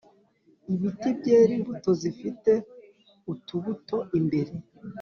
Ibiti byera imbuto zifite utubuto imbere